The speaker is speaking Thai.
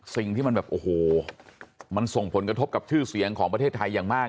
สิ่งที่มันแบบโอ้โหมันส่งผลกระทบกับชื่อเสียงของประเทศไทยอย่างมาก